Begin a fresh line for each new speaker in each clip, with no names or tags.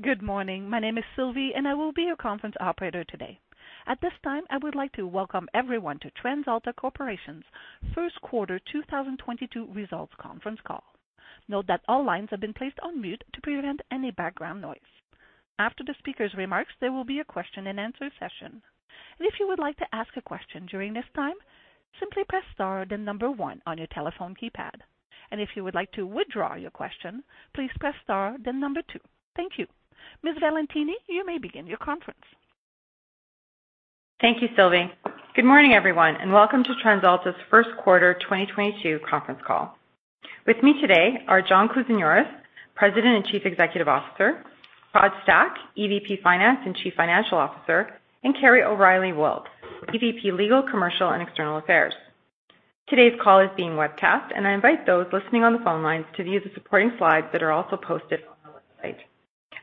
Good morning. My name is Sylvie, and I will be your conference operator today. At this time, I would like to welcome everyone to TransAlta Corporation's Q1 2022 results conference call. Note that all lines have been placed on mute to prevent any background noise. After the speaker's remarks, there will be a question-and-answer session. If you would like to ask a question during this time, simply press star then number one on your telephone keypad. If you would like to withdraw your question, please press star then number two. Thank you. Ms. Valentini, you may begin your conference.
Thank you, Sylvie. Good morning, everyone, and welcome to TransAlta's Q1 2022 conference call. With me today are John Kousinioris, President and Chief Executive Officer, Todd Stack, EVP Finance and Chief Financial Officer, and Kerry O'Reilly Wilks, EVP, Legal, Commercial, and External Affairs. Today's call is being webcast, and I invite those listening on the phone lines to view the supporting slides that are also posted on the website.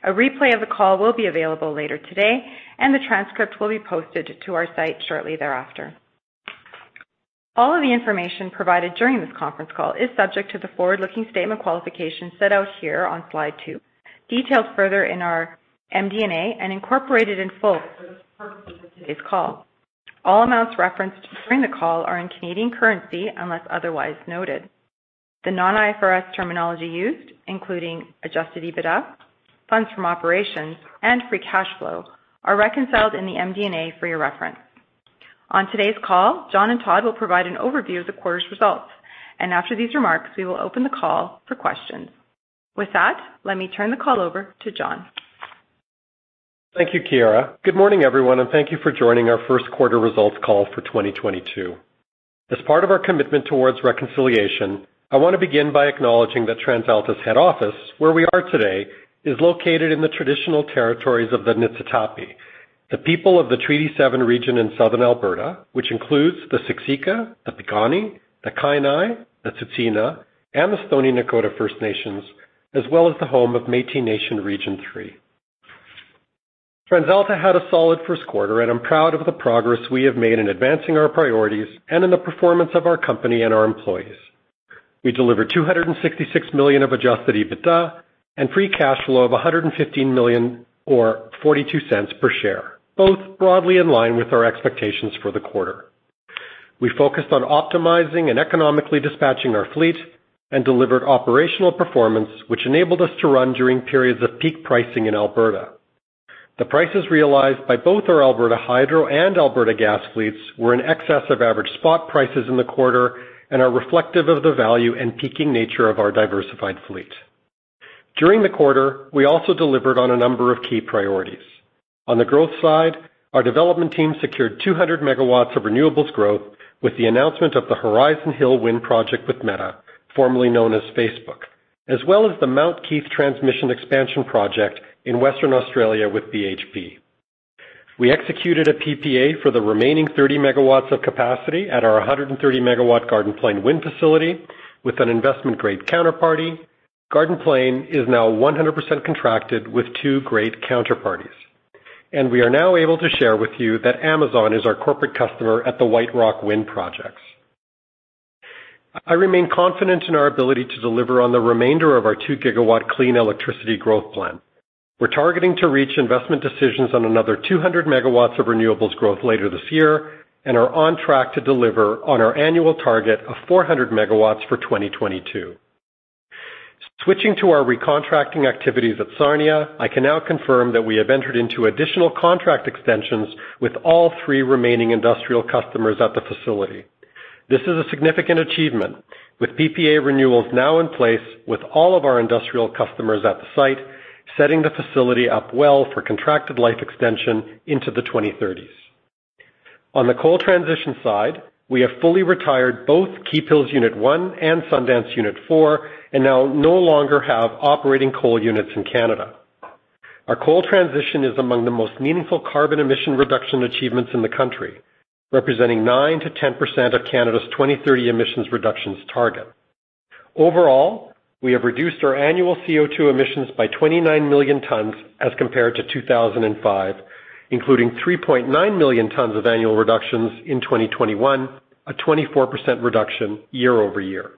A replay of the call will be available later today and the transcript will be posted to our site shortly thereafter. All of the information provided during this conference call is subject to the forward-looking statement qualifications set out here on slide 2, detailed further in our MD&A, and incorporated in full for the purposes of today's call. All amounts referenced during the call are in Canadian currency unless otherwise noted. The non-IFRS terminology used, including adjusted EBITDA, funds from operations, and free cash flow, are reconciled in the MD&A for your reference. On today's call, John and Todd will provide an overview of the quarter's results. After these remarks, we will open the call for questions. With that, let me turn the call over to John.
Thank you, Chiara. Good morning, everyone, and thank you for joining our Q1 results call for 2022. As part of our commitment towards reconciliation, I want to begin by acknowledging that TransAlta's head office, where we are today, is located in the traditional territories of the Niitsitapi, the people of the Treaty Seven region in southern Alberta, which includes the Siksika, the Piikani, the Kainai, the Tsuut'ina, and the Stoney Nakoda First Nation, as well as the home of Métis Nation of Alberta Region 3. TransAlta had a solid Q1, and I'm proud of the progress we have made in advancing our priorities and in the performance of our company and our employees. We delivered 266 million of adjusted EBITDA and free cash flow of 115 million or 0.42 per share, both broadly in line with our expectations for the quarter. We focused on optimizing and economically dispatching our fleet and delivered operational performance, which enabled us to run during periods of peak pricing in Alberta. The prices realized by both our Alberta Hydro and Alberta Gas fleets were in excess of average spot prices in the quarter and are reflective of the value and peaking nature of our diversified fleet. During the quarter, we also delivered on a number of key priorities. On the growth side, our development team secured 200 MW of renewables growth with the announcement of the Horizon Hill Wind Project with Meta, formerly known as Facebook, as well as the Mount Keith Transmission Expansion Project in Western Australia with BHP. We executed a PPA for the remaining 30 MW of capacity at our 130-MW Garden Plain Wind facility with an investment-grade counterparty. Garden Plain is now 100% contracted with two great counterparties. We are now able to share with you that Amazon is our corporate customer at the White Rock Wind projects. I remain confident in our ability to deliver on the remainder of our 2-GW clean electricity growth plan. We're targeting to reach investment decisions on another 200 MW of renewables growth later this year and are on track to deliver on our annual target of 400 MW for 2022. Switching to our recontracting activities at Sarnia, I can now confirm that we have entered into additional contract extensions with all three remaining industrial customers at the facility. This is a significant achievement, with PPA renewals now in place with all of our industrial customers at the site, setting the facility up well for contracted life extension into the 2030s. On the coal transition side, we have fully retired both Keephills Unit One and Sundance Unit Four and now no longer have operating coal units in Canada. Our coal transition is among the most meaningful carbon emission reduction achievements in the country, representing 9%-10% of Canada's 2030 emissions reductions target. Overall, we have reduced our annual CO₂ emissions by 29 million tons as compared to 2005, including 3.9 million tons of annual reductions in 2021, a 24% reduction year-over-year.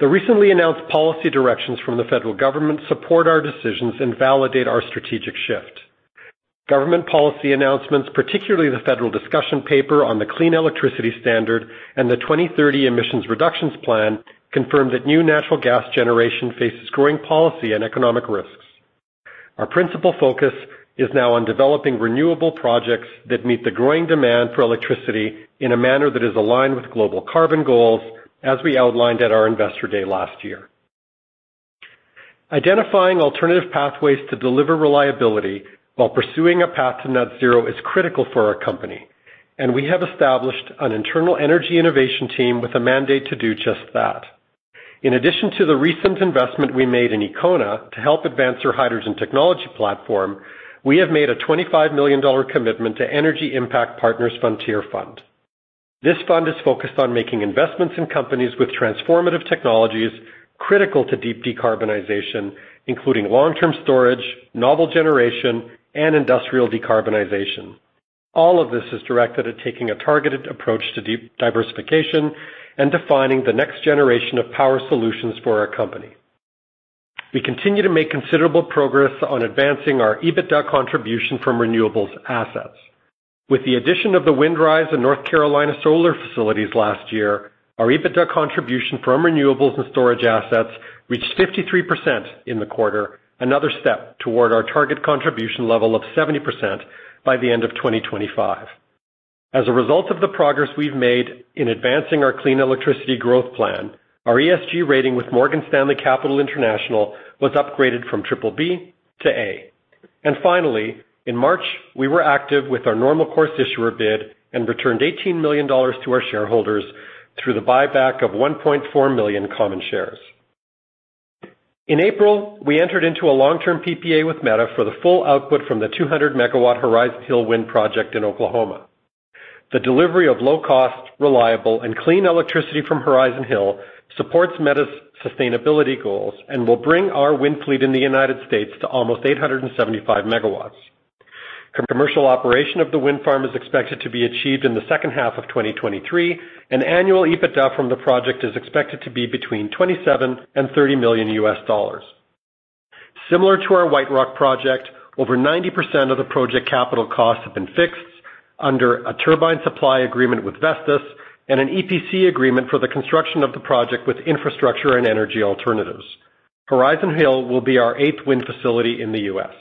The recently announced policy directions from the federal government support our decisions and validate our strategic shift. Government policy announcements, particularly the federal discussion paper on the Clean Electricity Standard and the 2030 Emissions Reduction Plan, confirm that new natural gas generation faces growing policy and economic risks. Our principal focus is now on developing renewable projects that meet the growing demand for electricity in a manner that is aligned with global carbon goals, as we outlined at our Investor Day last year. Identifying alternative pathways to deliver reliability while pursuing a path to net zero is critical for our company, and we have established an internal energy innovation team with a mandate to do just that. In addition to the recent investment we made in Ekona to help advance their hydrogen technology platform, we have made a 25 million dollar commitment to Energy Impact Partners Frontier Fund. This fund is focused on making investments in companies with transformative technologies critical to deep decarbonization, including long-term storage, novel generation, and industrial decarbonization. All of this is directed at taking a targeted approach to de-diversification and defining the next generation of power solutions for our company. We continue to make considerable progress on advancing our EBITDA contribution from renewables assets. With the addition of the Windrise and North Carolina solar facilities last year, our EBITDA contribution from renewables and storage assets reached 53% in the quarter, another step toward our target contribution level of 70% by the end of 2025. As a result of the progress we've made in advancing our clean electricity growth plan, our ESG rating with Morgan Stanley Capital International was upgraded from BBB to A. Finally, in March, we were active with our normal course issuer bid and returned 18 million dollars to our shareholders through the buyback of 1.4 million common shares. In April, we entered into a long-term PPA with Meta for the full output from the 200-megawatt Horizon Hill Wind project in Oklahoma. The delivery of low cost, reliable, and clean electricity from Horizon Hill supports Meta's sustainability goals and will bring our wind fleet in the United States to almost 875 MW. Commercial operation of the wind farm is expected to be achieved in the second half of 2023, and annual EBITDA from the project is expected to be between $27 million and $30 million. Similar to our White Rock project, over 90% of the project capital costs have been fixed under a turbine supply agreement with Vestas and an EPC agreement for the construction of the project with Infrastructure and Energy Alternatives. Horizon Hill will be our eighth wind facility in the U.S.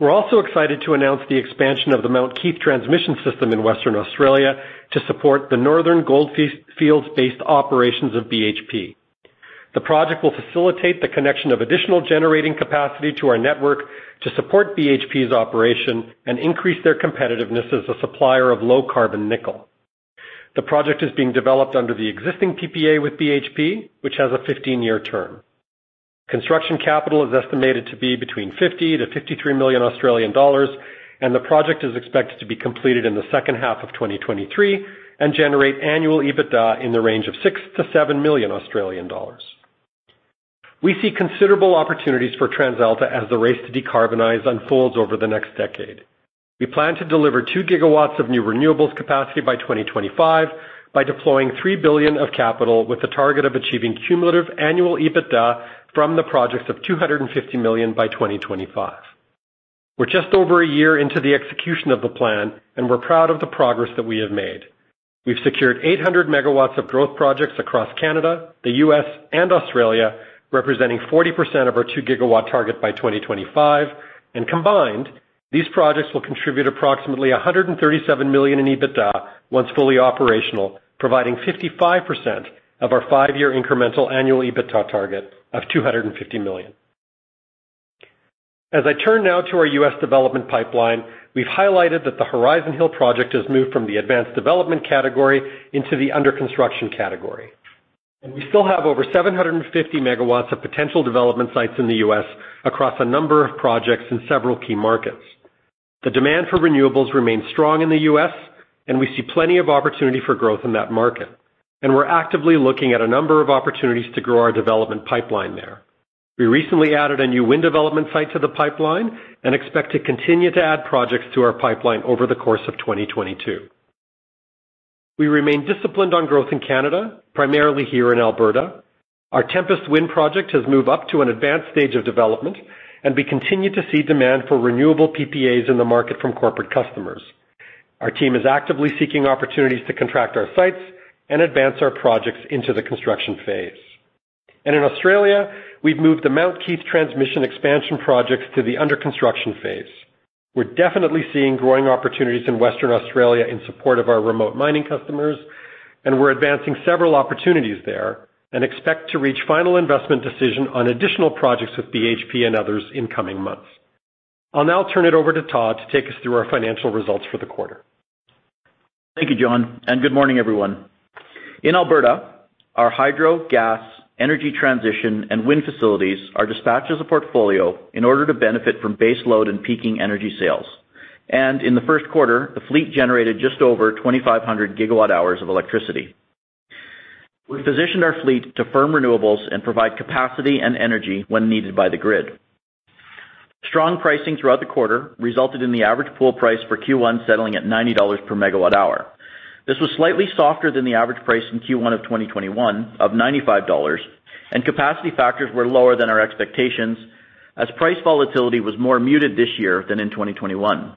We're also excited to announce the expansion of the Mount Keith transmission system in Western Australia to support the Northern Goldfields-based operations of BHP. The project will facilitate the connection of additional generating capacity to our network to support BHP's operation and increase their competitiveness as a supplier of low-carbon nickel. The project is being developed under the existing PPA with BHP, which has a 15-year term. Construction capital is estimated to be between 50 million to 53 million Australian dollars, and the project is expected to be completed in the second half of 2023 and generate annual EBITDA in the range of 6 million to 7 million Australian dollars. We see considerable opportunities for TransAlta as the race to decarbonize unfolds over the next decade. We plan to deliver 2 GW of new renewables capacity by 2025 by deploying 3 billion of capital with the target of achieving cumulative annual EBITDA from the projects of 250 million by 2025. We're just over a year into the execution of the plan, and we're proud of the progress that we have made. We've secured 800 megawatts of growth projects across Canada, the U.S., and Australia, representing 40% of our 2-gigawatt target by 2025. Combined, these projects will contribute approximately 137 million in EBITDA once fully operational, providing 55% of our five-year incremental annual EBITDA target of 250 million. As I turn now to our U.S. development pipeline, we've highlighted that the Horizon Hill project has moved from the advanced development category into the under-construction category. We still have over 750 megawatts of potential development sites in the U.S. across a number of projects in several key markets. The demand for renewables remains strong in the US, and we see plenty of opportunity for growth in that market. We're actively looking at a number of opportunities to grow our development pipeline there. We recently added a new wind development site to the pipeline and expect to continue to add projects to our pipeline over the course of 2022. We remain disciplined on growth in Canada, primarily here in Alberta. Our Tempest Wind project has moved up to an advanced stage of development, and we continue to see demand for renewable PPAs in the market from corporate customers. Our team is actively seeking opportunities to contract our sites and advance our projects into the construction phase. In Australia, we've moved the Mount Keith transmission expansion projects to the under-construction phase. We're definitely seeing growing opportunities in Western Australia in support of our remote mining customers, and we're advancing several opportunities there and expect to reach final investment decision on additional projects with BHP and others in coming months. I'll now turn it over to Todd to take us through our financial results for the quarter.
Thank you, John, and good morning, everyone. In Alberta, our hydro, gas, energy transition, and wind facilities are dispatched as a portfolio in order to benefit from base load and peaking energy sales. In the Q1, the fleet generated just over 2,500 GWh of electricity. We positioned our fleet to firm renewables and provide capacity and energy when needed by the grid. Strong pricing throughout the quarter resulted in the average pool price for Q1 settling at 90 dollars per MWh. This was slightly softer than the average price in Q1 of 2021 of 95 dollars, and capacity factors were lower than our expectations as price volatility was more muted this year than in 2021.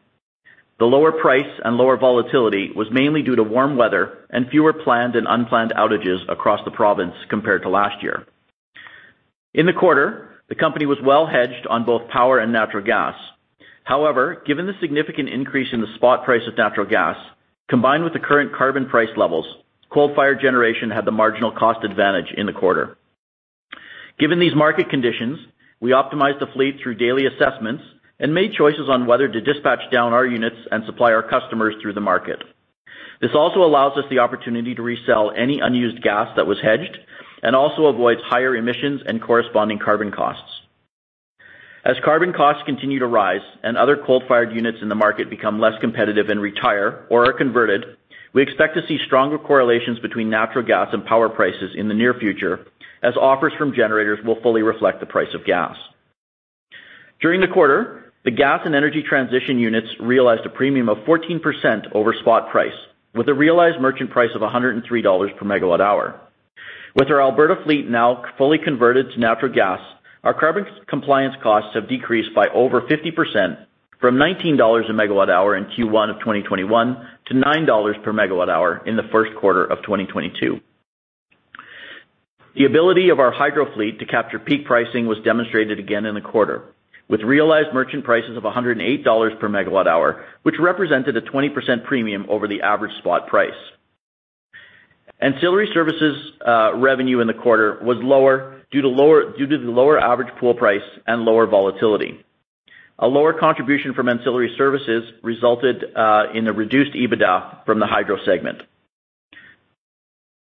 The lower price and lower volatility was mainly due to warm weather and fewer planned and unplanned outages across the province compared to last year. In the quarter, the company was well hedged on both power and natural gas. However, given the significant increase in the spot price of natural gas, combined with the current carbon price levels, coal-fired generation had the marginal cost advantage in the quarter. Given these market conditions, we optimized the fleet through daily assessments and made choices on whether to dispatch down our units and supply our customers through the market. This also allows us the opportunity to resell any unused gas that was hedged and also avoids higher emissions and corresponding carbon costs. As carbon costs continue to rise and other coal-fired units in the market become less competitive and retire or are converted. We expect to see stronger correlations between natural gas and power prices in the near future as offers from generators will fully reflect the price of gas. During the quarter, the gas and energy transition units realized a premium of 14% over spot price, with a realized merchant price of 103 dollars per MWh. With our Alberta fleet now fully converted to natural gas, our carbon compliance costs have decreased by over 50% from 19 dollars per MWh in Q1 of 2021 to 9 dollars per MWh in the Q1 of 2022. The ability of our hydro fleet to capture peak pricing was demonstrated again in the quarter, with realized merchant prices of 108 dollars per MWh, which represented a 20% premium over the average spot price. Ancillary services revenue in the quarter was lower due to the lower average pool price and lower volatility. A lower contribution from ancillary services resulted in the reduced EBITDA from the hydro segment.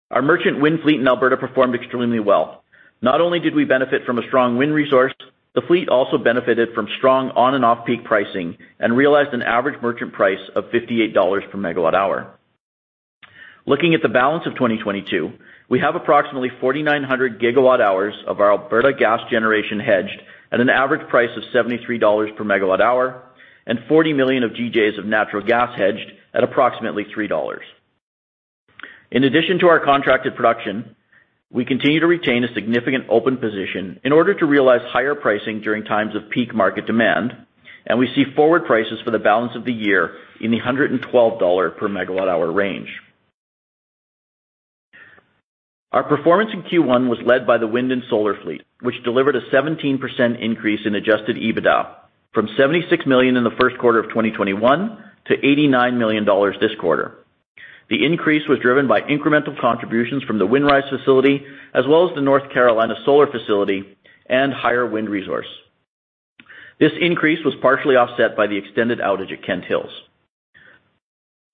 Our merchant wind fleet in Alberta performed extremely well. Not only did we benefit from a strong wind resource, the fleet also benefited from strong on and off-peak pricing and realized an average merchant price of 58 dollars per MWh. Looking at the balance of 2022, we have approximately 4,900 GWh of our Alberta gas generation hedged at an average price of 73 dollars per MWh and 40 million GJs of natural gas hedged at approximately 3 dollars. In addition to our contracted production, we continue to retain a significant open position in order to realize higher pricing during times of peak market demand, and we see forward prices for the balance of the year in the 112 dollar per MWh range. Our performance in Q1 was led by the wind and solar fleet, which delivered a 17% increase in adjusted EBITDA from 76 million in the Q1 of 2021 to 89 million dollars this quarter. The increase was driven by incremental contributions from the Windrise facility, as well as the North Carolina solar facility and higher wind resource. This increase was partially offset by the extended outage at Kent Hills.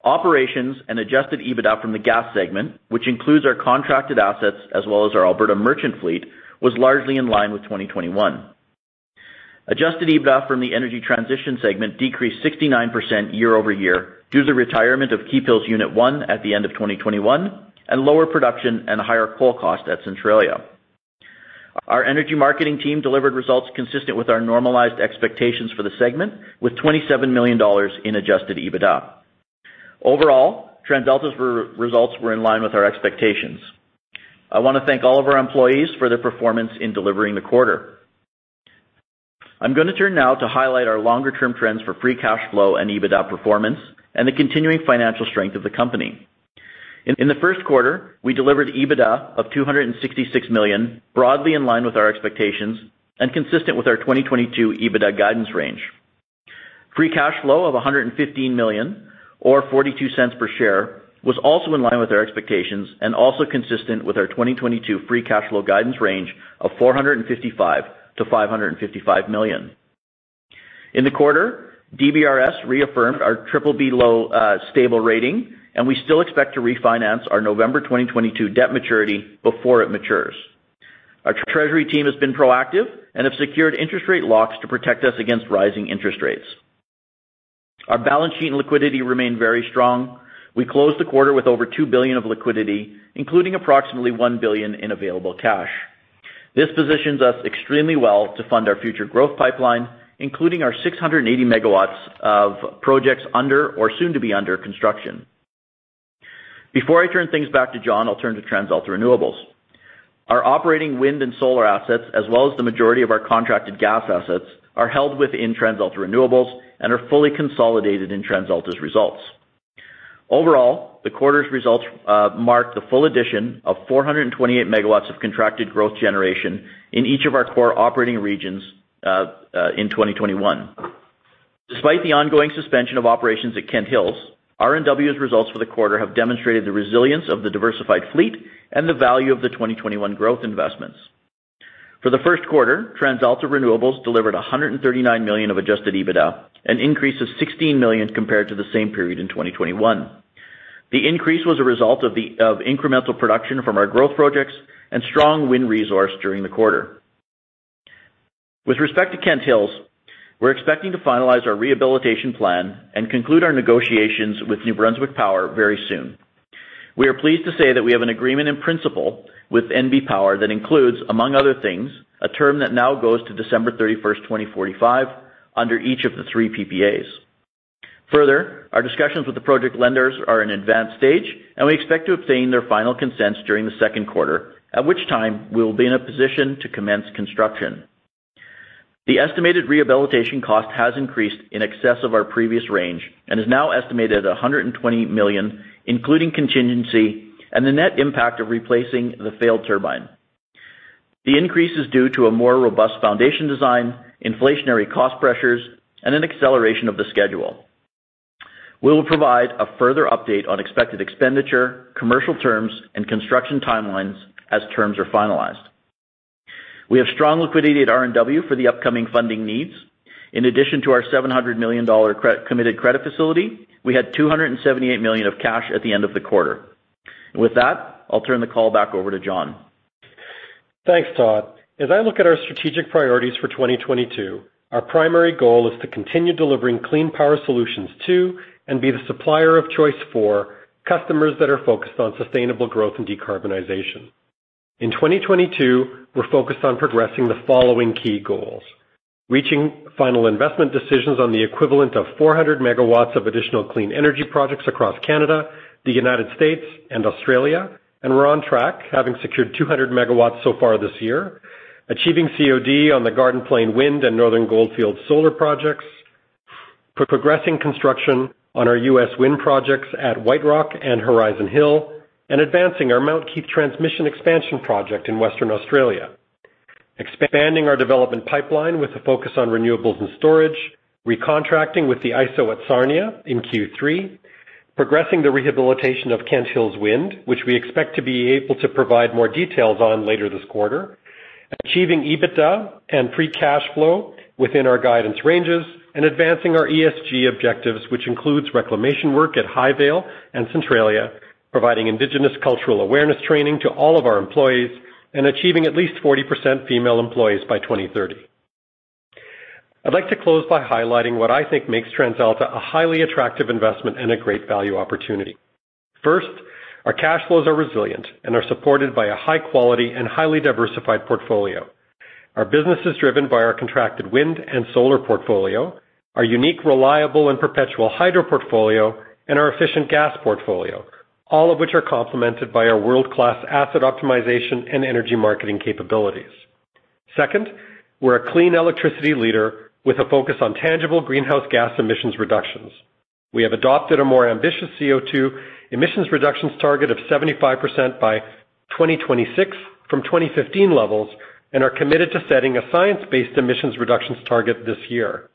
Operations and adjusted EBITDA from the gas segment, which includes our contracted assets as well as our Alberta merchant fleet, was largely in line with 2021. Adjusted EBITDA from the energy transition segment decreased 69% year-over-year due to the retirement of Keephills Unit 1 at the end of 2021 and lower production and higher coal cost at Centralia. Our energy marketing team delivered results consistent with our normalized expectations for the segment with 27 million dollars in adjusted EBITDA. Overall, TransAlta's results were in line with our expectations. I want to thank all of our employees for their performance in delivering the quarter. I'm going to turn now to highlight our longer-term trends for free cash flow and EBITDA performance and the continuing financial strength of the company. In the Q1, we delivered EBITDA of 266 million, broadly in line with our expectations and consistent with our 2022 EBITDA guidance range. Free cash flow of 115 million or 0.42 per share was also in line with our expectations and also consistent with our 2022 free cash flow guidance range of 455 million to 555 million. In the quarter, DBRS reaffirmed our BBB low, stable rating, and we still expect to refinance our November 2022 debt maturity before it matures. Our Treasury team has been proactive and have secured interest rate locks to protect us against rising interest rates. Our balance sheet and liquidity remain very strong. We closed the quarter with over 2 billion of liquidity, including approximately 1 billion in available cash. This positions us extremely well to fund our future growth pipeline, including our 680 MW of projects under or soon to be under construction. Before I turn things back to John, I'll turn to TransAlta Renewables. Our operating wind and solar assets, as well as the majority of our contracted gas assets, are held within TransAlta Renewables and are fully consolidated in TransAlta's results. Overall, the quarter's results mark the full addition of 428 MW of contracted growth generation in each of our core operating regions in 2021. Despite the ongoing suspension of operations at Kent Hills, RNW's results for the quarter have demonstrated the resilience of the diversified fleet and the value of the 2021 growth investments. For the Q1, TransAlta Renewables delivered 139 million of adjusted EBITDA, an increase of 16 million compared to the same period in 2021. The increase was a result of incremental production from our growth projects and strong wind resource during the quarter. With respect to Kent Hills, we're expecting to finalize our rehabilitation plan and conclude our negotiations with New Brunswick Power very soon. We are pleased to say that we have an agreement in principle with NB Power that includes, among other things, a term that now goes to December 31, 2045, under each of the three PPAs. Further, our discussions with the project lenders are in advanced stage, and we expect to obtain their final consents during the Q2, at which time we will be in a position to commence construction. The estimated rehabilitation cost has increased in excess of our previous range and is now estimated at 120 million, including contingency and the net impact of replacing the failed turbine. The increase is due to a more robust foundation design, inflationary cost pressures, and an acceleration of the schedule. We will provide a further update on expected expenditure, commercial terms, and construction timelines as terms are finalized. We have strong liquidity at RNW for the upcoming funding needs. In addition to our 700 million dollar committed credit facility, we had 278 million of cash at the end of the quarter. With that, I'll turn the call back over to John.
Thanks, Todd. As I look at our strategic priorities for 2022, our primary goal is to continue delivering clean power solutions to and be the supplier of choice for customers that are focused on sustainable growth and decarbonization. In 2022, we're focused on progressing the following key goals. Reaching final investment decisions on the equivalent of 400 MW of additional clean energy projects across Canada, the United States and Australia, and we're on track, having secured 200 MW so far this year. Achieving COD on the Garden Plain Wind and Northern Goldfield solar projects. Progressing construction on our U.S. wind projects at White Rock and Horizon Hill. Advancing our Mount Keith transmission expansion project in Western Australia. Expanding our development pipeline with a focus on renewables and storage. Recontracting with the ISO at Sarnia in Q3. Progressing the rehabilitation of Kent Hills Wind, which we expect to be able to provide more details on later this quarter. Achieving EBITDA and free cash flow within our guidance ranges. Advancing our ESG objectives, which includes reclamation work at Highvale and Centralia, providing indigenous cultural awareness training to all of our employees, and achieving at least 40% female employees by 2030. I'd like to close by highlighting what I think makes TransAlta a highly attractive investment and a great value opportunity. First, our cash flows are resilient and are supported by a high quality and highly diversified portfolio. Our business is driven by our contracted wind and solar portfolio, our unique, reliable and perpetual hydro portfolio, and our efficient gas portfolio, all of which are complemented by our world-class asset optimization and energy marketing capabilities. Second, we're a clean electricity leader with a focus on tangible greenhouse gas emissions reductions. We have adopted a more ambitious CO2 emissions reductions target of 75% by 2026 from 2015 levels, and are committed to setting a science-based emissions reductions target this year.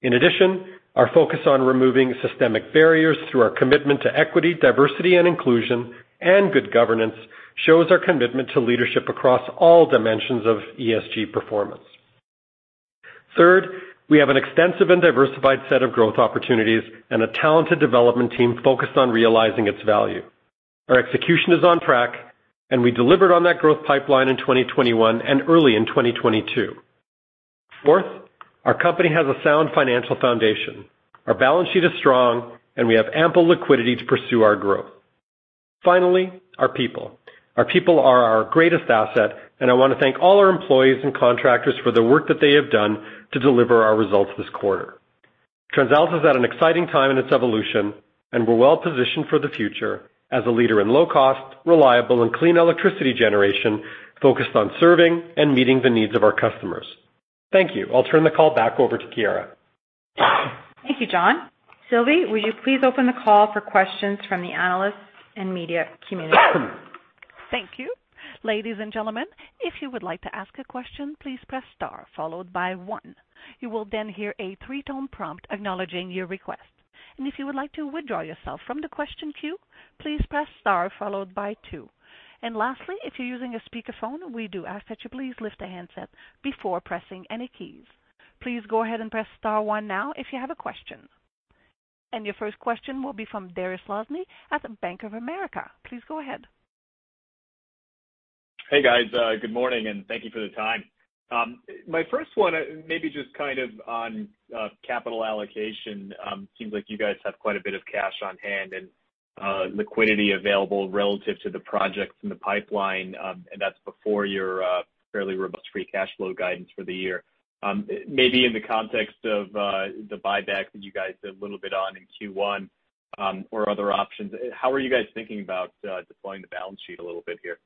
In addition, our focus on removing systemic barriers through our commitment to equity, diversity and inclusion and good governance shows our commitment to leadership across all dimensions of ESG performance. Third, we have an extensive and diversified set of growth opportunities and a talented development team focused on realizing its value. Our execution is on track, and we delivered on that growth pipeline in 2021 and early in 2022. Fourth, our company has a sound financial foundation. Our balance sheet is strong, and we have ample liquidity to pursue our growth. Finally, our people. Our people are our greatest asset, and I want to thank all our employees and contractors for the work that they have done to deliver our results this quarter. TransAlta's at an exciting time in its evolution, and we're well positioned for the future as a leader in low cost, reliable and clean electricity generation focused on serving and meeting the needs of our customers. Thank you. I'll turn the call back over to Chiara.
Thank you, John. Sylvie, would you please open the call for questions from the analysts and media community?
Thank you. Ladies and gentlemen, if you would like to ask a question, please press star followed by one. You will then hear a three-tone prompt acknowledging your request. If you would like to withdraw yourself from the question queue, please press star followed by two. Lastly, if you're using a speakerphone, we do ask that you please lift the handset before pressing any keys. Please go ahead and press star one now if you have a question. Your first question will be from Dariusz Lozny at Bank of America. Please go ahead.
Hey, guys. Good morning, and thank you for the time. My first one, maybe just kind of on capital allocation. Seems like you guys have quite a bit of cash on hand and liquidity available relative to the projects in the pipeline, and that's before your fairly robust free cash flow guidance for the year. Maybe in the context of the buyback that you guys did a little bit on in Q1, or other options, how are you guys thinking about deploying the balance sheet a little bit here?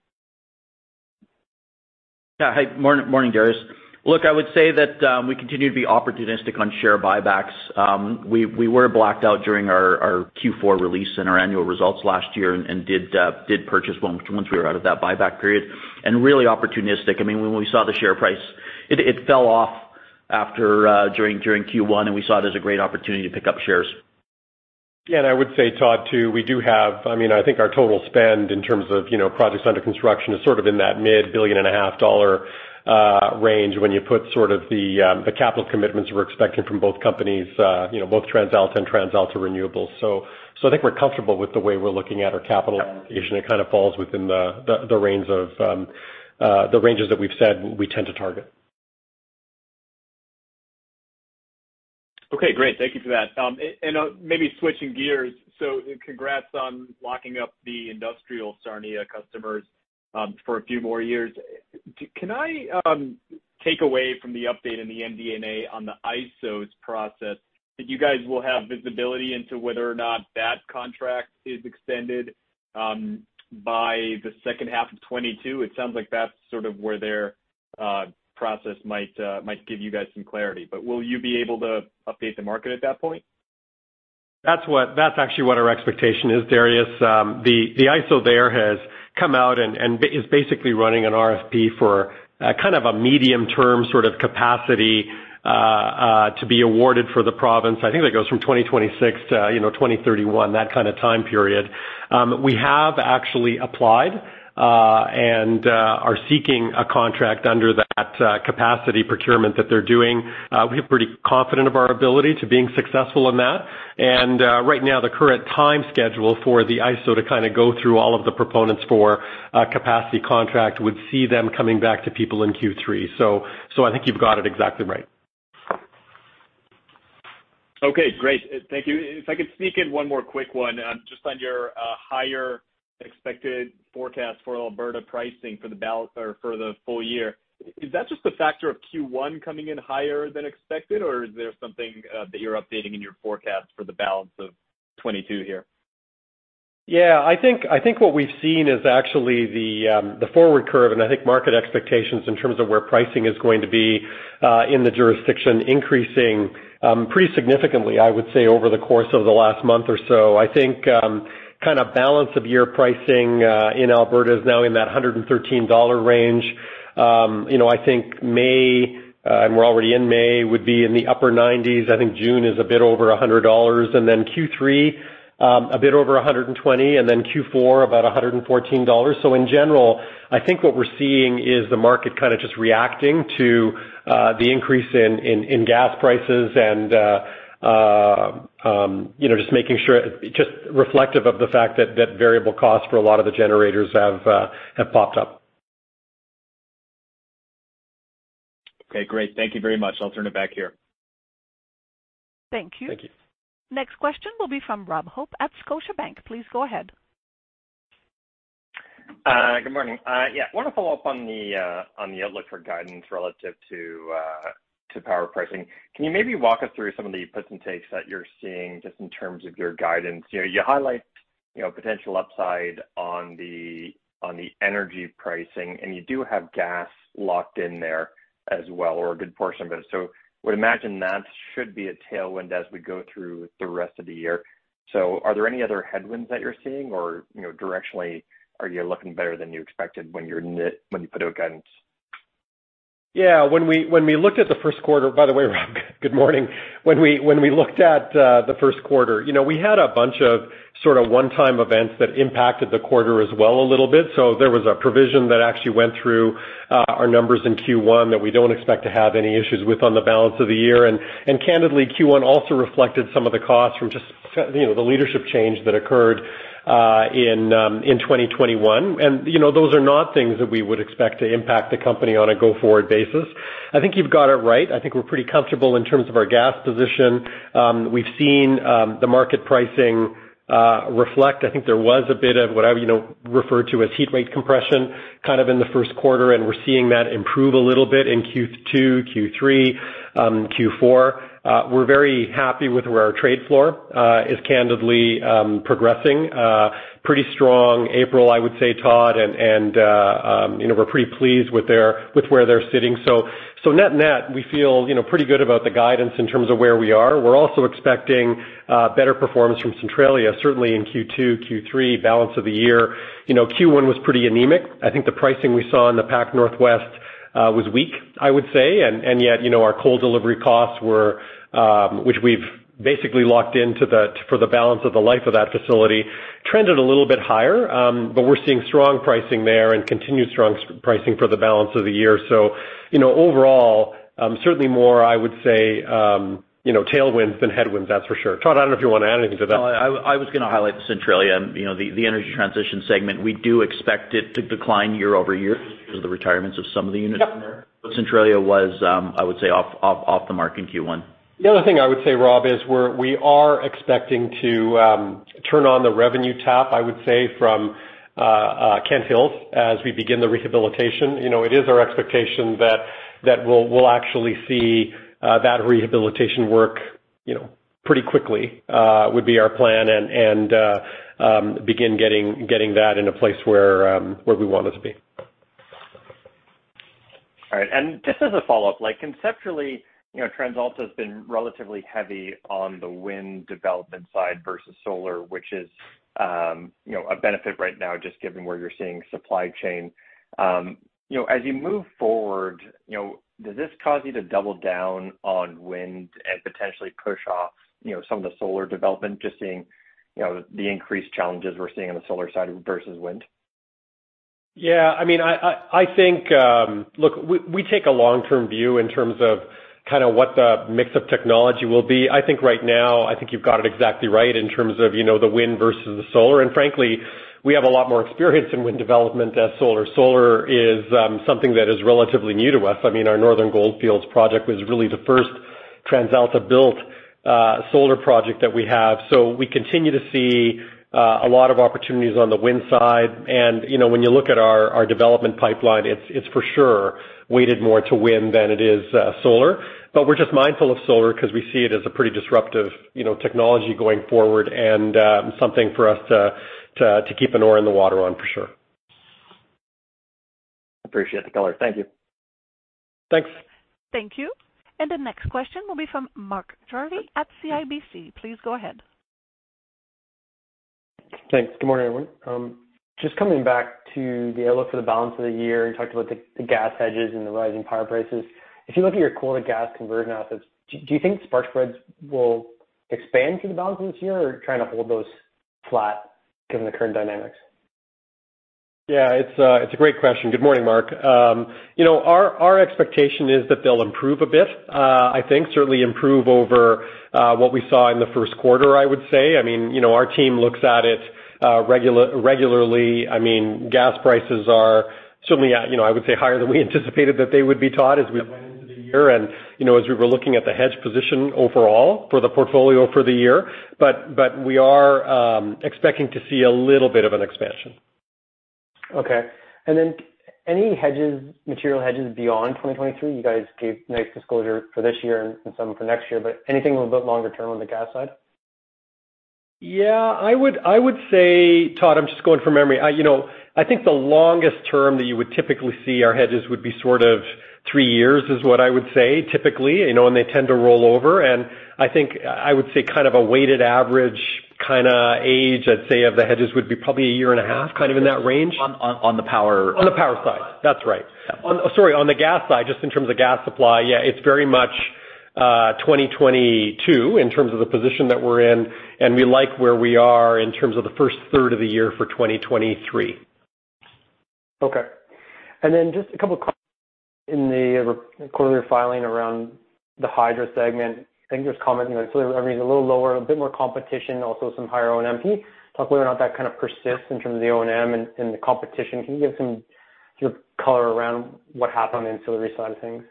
Yeah. Hey, morning, Dariusz. Look, I would say that we continue to be opportunistic on share buybacks. We were blacked out during our Q4 release and our annual results last year and did purchase once we were out of that buyback period. Really opportunistic. I mean, when we saw the share price, it fell off after during Q1, and we saw it as a great opportunity to pick up shares. Yeah. I would say, Todd, too, we do have. I mean, I think our total spend in terms of, you know, projects under construction is sort of in that 1.5 billion range when you put sort of the capital commitments we are expecting from both companies, you know, both TransAlta and TransAlta Renewables. I think we're comfortable with the way we're looking at our capital application. It kind of falls within the range of the ranges that we've said we tend to target.
Okay, great. Thank you for that. Maybe switching gears. Congrats on locking up the industrial Sarnia customers for a few more years. Can I take away from the update in the MD&A on the ISO's process that you guys will have visibility into whether or not that contract is extended by the second half of 2022? It sounds like that's sort of where their process might give you guys some clarity. But will you be able to update the market at that point?
That's actually what our expectation is, Dariusz. The ISO there has come out and is basically running an RFP for kind of a medium-term sort of capacity to be awarded for the province. I think that goes from 2026 to, you know, 2031, that kind of time period. We have actually applied and are seeking a contract under that capacity procurement that they're doing. We're pretty confident of our ability to being successful in that. Right now, the current time schedule for the ISO to kind of go through all of the proponents for a capacity contract would see them coming back to people in Q3. I think you've got it exactly right.
Okay, great. Thank you. If I could sneak in one more quick one, just on your higher expected forecast for Alberta pricing for the balance or for the full year. Is that just a factor of Q1 coming in higher than expected or is there something that you're updating in your forecast for the balance of 2022 here?
Yeah, I think what we've seen is actually the forward curve, and I think market expectations in terms of where pricing is going to be in the jurisdiction increasing pretty significantly, I would say, over the course of the last month or so. I think kind of balance of year pricing in Alberta is now in that 113 dollar range. You know, I think May and we're already in May would be in the upper 90s. I think June is a bit over 100 dollars, and then Q3 a bit over 120, and then Q4 about 114 dollars. In general, I think what we're seeing is the market kind of just reacting to the increase in gas prices and, you know, just making sure it's just reflective of the fact that variable cost for a lot of the generators have popped up.
Okay, great. Thank you very much. I'll turn it back here.
Thank you.
Thank you.
Next question will be from Rob Hope at Scotiabank. Please go ahead.
Good morning. Yeah. Want to follow up on the outlook for guidance relative to power pricing. Can you maybe walk us through some of the puts and takes that you're seeing just in terms of your guidance? You know, you highlight potential upside on the energy pricing, and you do have gas locked in there as well, or a good portion of it. Would imagine that should be a tailwind as we go through the rest of the year. Are there any other headwinds that you're seeing or, you know, directionally are you looking better than you expected when you put out guidance?
Yeah. By the way, Rob, good morning. When we looked at the Q1, you know, we had a bunch of sort of one-time events that impacted the quarter as well a little bit. There was a provision that actually went through our numbers in Q1 that we don't expect to have any issues with on the balance of the year. Candidly, Q1 also reflected some of the costs from just, you know, the leadership change that occurred in 2021. You know, those are not things that we would expect to impact the company on a go-forward basis. I think you've got it right. I think we're pretty comfortable in terms of our gas position. We've seen the market pricing reflect. I think there was a bit of what I, you know, refer to as heat rate compression kind of in the Q1, and we're seeing that improve a little bit in Q2, Q3, Q4. We're very happy with where our trade floor is candidly progressing. Pretty strong April, I would say, Todd, and you know, we're pretty pleased with where they're sitting. Net net, we feel, you know, pretty good about the guidance in terms of where we are. We're also expecting better performance from Centralia, certainly in Q2, Q3, balance of the year. You know, Q1 was pretty anemic. I think the pricing we saw in the Pacific Northwest was weak, I would say. Yet, you know, our coal delivery costs were, which we've basically locked into for the balance of the life of that facility, trended a little bit higher. We're seeing strong pricing there and continued strong pricing for the balance of the year. You know, overall, certainly more, I would say, you know, tailwinds than headwinds, that's for sure. Todd, I don't know if you want to add anything to that.
No, I was gonna highlight Centralia. You know, the energy transition segment. We do expect it to decline year-over-year because of the retirements of some of the units in there.
Yeah.
Centralia was, I would say off the mark in Q1.
The other thing I would say, Rob, is we are expecting to turn on the revenue tap, I would say from Kent Hills as we begin the rehabilitation. You know, it is our expectation that we'll actually see that rehabilitation work, you know, pretty quickly would be our plan and begin getting that in a place where we want it to be.
All right. Just as a follow-up, like conceptually, you know, TransAlta has been relatively heavy on the wind development side versus solar, which is, you know, a benefit right now just given where you're seeing supply chain. You know, as you move forward, you know, does this cause you to double down on wind and potentially push off, you know, some of the solar development, just seeing, you know, the increased challenges we're seeing on the solar side versus wind?
Yeah, I mean, I think. Look, we take a long-term view in terms of kind of what the mix of technology will be. I think right now, I think you've got it exactly right in terms of, you know, the wind versus the solar. Frankly, we have a lot more experience in wind development than solar. Solar is something that is relatively new to us. I mean, our Northern Goldfields project was really the first TransAlta-built solar project that we have. We continue to see a lot of opportunities on the wind side. You know, when you look at our development pipeline, it's for sure weighted more to wind than it is solar. We're just mindful of solar 'cause we see it as a pretty disruptive, you know, technology going forward and, something for us to keep an oar in the water on, for sure.
Appreciate the color. Thank you.
Thanks.
Thank you. The next question will be from Mark Jarvi at CIBC. Please go ahead.
Thanks. Good morning, everyone. Just coming back to the outlook for the balance of the year, you talked about the gas hedges and the rising power prices. If you look at your coal to gas conversion assets, do you think spark spreads will expand through the balance of this year or trying to hold those flat given the current dynamics?
Yeah, it's a great question. Good morning, Mark. You know, our expectation is that they'll improve a bit. I think certainly improve over what we saw in the Q1, I would say. I mean, you know, our team looks at it regularly. I mean, gas prices are certainly at, you know, I would say higher than we anticipated that they would be, Todd, as we went into the year. You know, as we were looking at the hedge position overall for the portfolio for the year. But we are expecting to see a little bit of an expansion.
Okay. Any hedges, material hedges beyond 2022? You guys gave nice disclosure for this year and some for next year. Anything a little bit longer term on the gas side?
Yeah, I would say, Todd, I'm just going from memory. You know, I think the longest term that you would typically see our hedges would be sort of three years, is what I would say typically. You know, they tend to roll over. I think I would say kind of a weighted average kinda age, I'd say, of the hedges would be probably a year and a half, kind of in that range.
On the power-
On the power side. That's right. Sorry, on the gas side, just in terms of gas supply, yeah, it's very much 2022 in terms of the position that we're in, and we like where we are in terms of the first third of the year for 2023.
Okay. Then just a couple of questions in the recent quarterly filing around the hydro segment. I think there's comment, you know, ancillary earnings are a little lower, a bit more competition, also some higher OM&A. Talk whether or not that kind of persists in terms of the O&M and the competition. Can you give some sort of color around what happened on the ancillary side of things?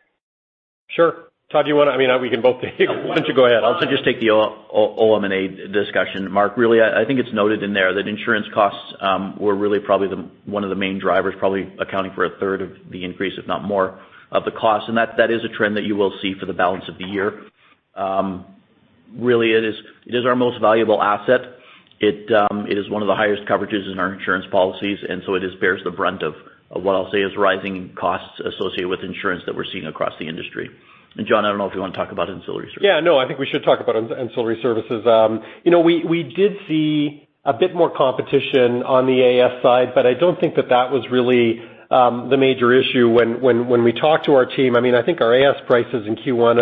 Sure. I mean, we can both take it.
Why don't you go ahead. I'll just take the OM&A discussion, Mark. Really, I think it's noted in there that insurance costs were really probably one of the main drivers, probably accounting for a third of the increase, if not more of the cost. That is a trend that you will see for the balance of the year. Really, it is our most valuable asset. It is one of the highest coverages in our insurance policies, and so it just bears the brunt of what I'll say is rising costs associated with insurance that we're seeing across the industry. John, I don't know if you want to talk about ancillary services.
Yeah, no, I think we should talk about ancillary services. You know, we did see a bit more competition on the AS side, but I don't think that was really the major issue when we talked to our team. I mean, I think our AS prices in Q1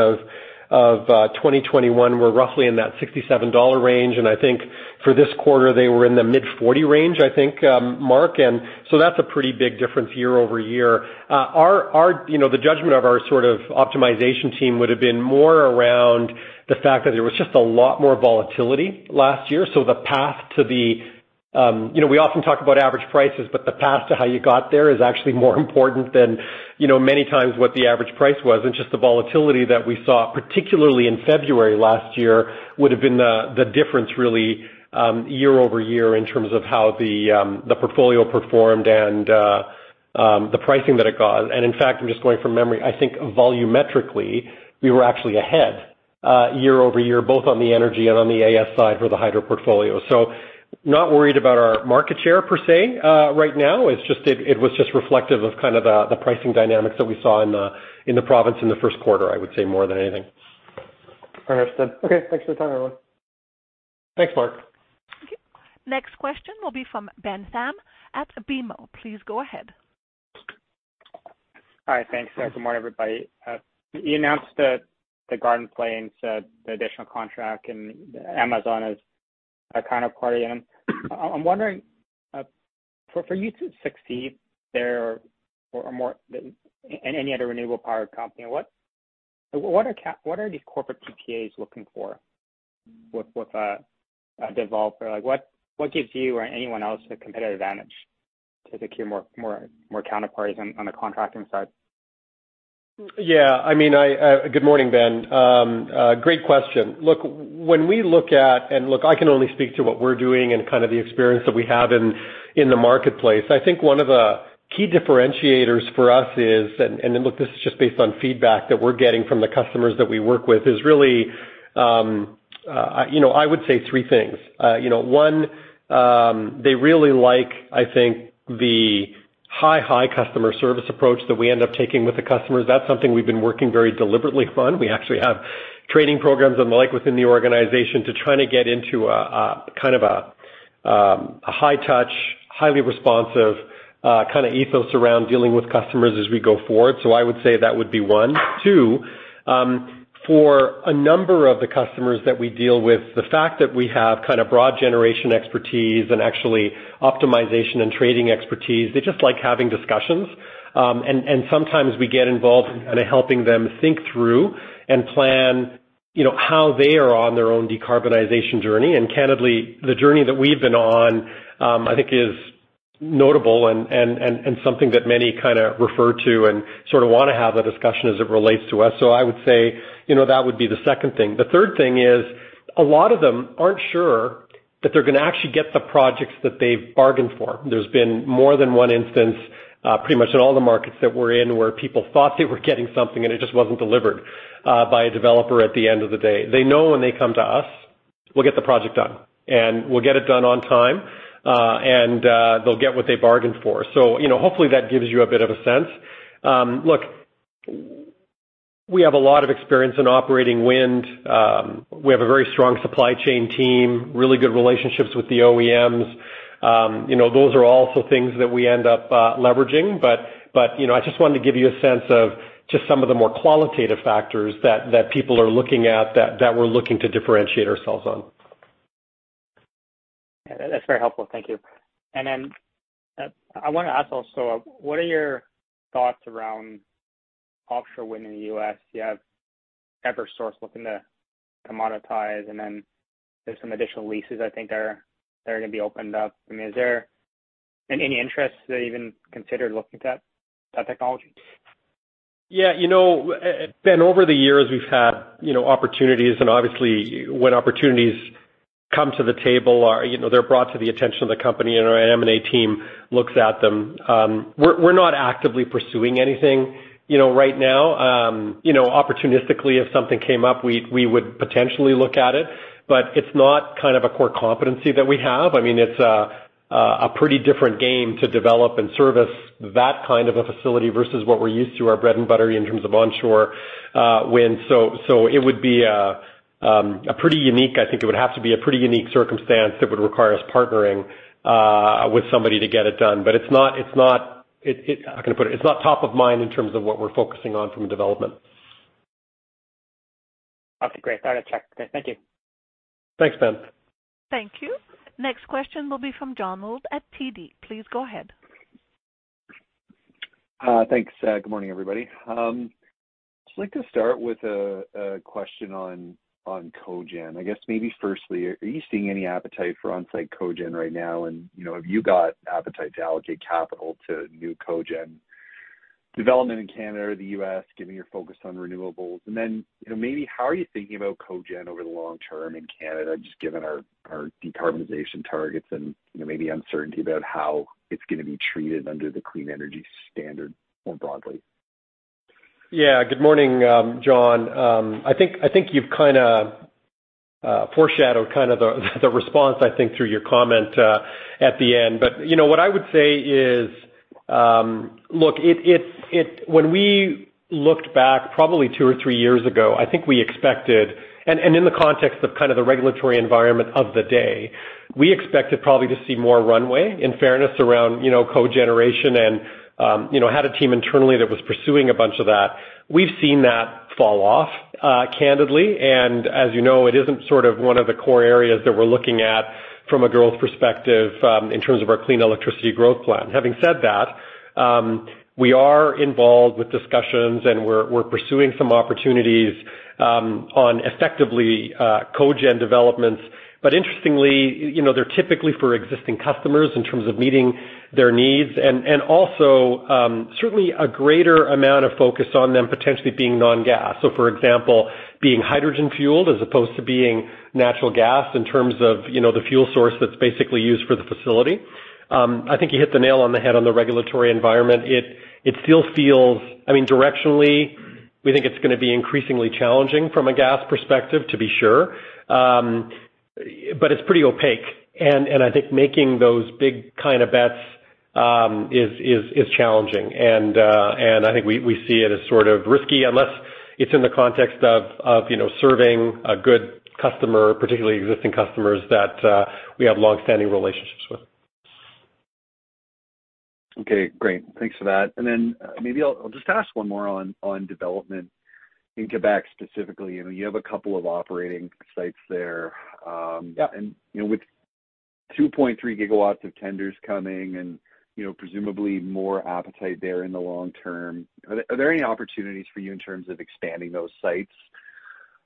of 2021 were roughly in that 67 dollar range, and I think for this quarter they were in the mid-40 range, I think, Mark. That's a pretty big difference year-over-year. Our, you know, the judgment of our sort of optimization team would have been more around the fact that there was just a lot more volatility last year. So the path to the. You know, we often talk about average prices, but the path to how you got there is actually more important than, you know, many times what the average price was. Just the volatility that we saw, particularly in February last year, would have been the difference really, year over year in terms of how the portfolio performed and the pricing that it got. In fact, I'm just going from memory. I think volumetrically, we were actually ahead year over year, both on the energy and on the AS side for the hydro portfolio. Not worried about our market share per se right now. It's just that it was just reflective of kind of the pricing dynamics that we saw in the province in the Q1, I would say more than anything.
Understood. Okay, thanks for the time, everyone.
Thanks, Mark.
Next question will be from Ben Pham at BMO. Please go ahead.
Hi. Thanks. Good morning, everybody. You announced the Garden Plain, the additional contract, and Amazon is a counterparty. I'm wondering, for you to succeed there or more than any other renewable power company, what are these corporate PPAs looking for with a developer? Like, what gives you or anyone else a competitive advantage to secure more counterparties on the contracting side?
Yeah, I mean, Good morning, Ben. Great question. Look, I can only speak to what we're doing and kind of the experience that we have in the marketplace. I think one of the key differentiators for us is, look, this is just based on feedback that we're getting from the customers that we work with, is really, you know, I would say three things. You know, one, they really like, I think, the high customer service approach that we end up taking with the customers. That's something we've been working very deliberately on. We actually have training programs and the like within the organization to try to get into a kind of high touch, highly responsive kind of ethos around dealing with customers as we go forward. I would say that would be one. Two, for a number of the customers that we deal with, the fact that we have kind of broad generation expertise and actually optimization and trading expertise, they just like having discussions. Sometimes we get involved in helping them think through and plan, you know, how they are on their own decarbonization journey. Candidly, the journey that we've been on, I think is notable and something that many kinda refer to and sort of wanna have that discussion as it relates to us. I would say, you know, that would be the second thing. The third thing is, a lot of them aren't sure that they're gonna actually get the projects that they've bargained for. There's been more than one instance, pretty much in all the markets that we're in, where people thought they were getting something and it just wasn't delivered by a developer at the end of the day. They know when they come to us, we'll get the project done, and we'll get it done on time, and they'll get what they bargained for. You know, hopefully, that gives you a bit of a sense. Look, we have a lot of experience in operating wind. We have a very strong supply chain team, really good relationships with the OEMs. You know, those are also things that we end up leveraging. you know, I just wanted to give you a sense of just some of the more qualitative factors that people are looking at, that we're looking to differentiate ourselves on.
That's very helpful. Thank you. I want to ask also, what are your thoughts around offshore wind in the U.S.? You have Eversource looking to monetize, and then there's some additional leases I think they're gonna be opened up. I mean, is there any interest to even consider looking at that technology?
Yeah. You know, Ben, over the years, we've had, you know, opportunities and obviously when opportunities come to the table or, you know, they're brought to the attention of the company and our M&A team looks at them. We're not actively pursuing anything, you know, right now. You know, opportunistically, if something came up, we would potentially look at it. It's not kind of a core competency that we have. I mean, it's a pretty different game to develop and service that kind of a facility versus what we're used to, our bread and butter in terms of onshore wind. I think it would have to be a pretty unique circumstance that would require us partnering with somebody to get it done. How can I put it? It's not top of mind in terms of what we're focusing on from development.
Okay, great. Got it. Check. Great. Thank you.
Thanks, Ben.
Thank you. Next question will be from John Mould at TD. Please go ahead.
Thanks. Good morning, everybody. Just like to start with a question on cogen. I guess maybe firstly, are you seeing any appetite for on-site cogen right now? You know, have you got appetite to allocate capital to new cogen development in Canada or the US, given your focus on renewables? You know, maybe how are you thinking about cogen over the long term in Canada, just given our decarbonization targets and, you know, maybe uncertainty about how it's gonna be treated under the Clean Electricity Standard more broadly?
Good morning, John. I think you've kinda foreshadowed kind of the response I think through your comment at the end. You know, what I would say is, look, it's. When we looked back probably two or three years ago, I think we expected in the context of kind of the regulatory environment of the day, we expected probably to see more runway in fairness around, you know, cogeneration and had a team internally that was pursuing a bunch of that. We've seen that fall off, candidly, and as you know, it isn't sort of one of the core areas that we're looking at from a growth perspective in terms of our clean electricity growth plan. Having said that, we are involved with discussions, and we're pursuing some opportunities on effectively cogen developments. Interestingly, you know, they're typically for existing customers in terms of meeting their needs and also certainly a greater amount of focus on them potentially being non-gas. For example, being hydrogen-fueled as opposed to being natural gas in terms of, you know, the fuel source that's basically used for the facility. I think you hit the nail on the head on the regulatory environment. It still feels. I mean, directionally, we think it's gonna be increasingly challenging from a gas perspective, to be sure. It's pretty opaque. I think making those big kind of bets is challenging. I think we see it as sort of risky unless it's in the context of serving a good customer, particularly existing customers that we have long-standing relationships with.
Okay, great. Thanks for that. Maybe I'll just ask one more on development in Quebec specifically. You know, you have a couple of operating sites there.
Yeah.
You know, with 2.3 gigawatts of tenders coming and, you know, presumably more appetite there in the long term, are there any opportunities for you in terms of expanding those sites